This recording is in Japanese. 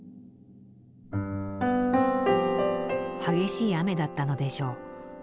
激しい雨だったのでしょう。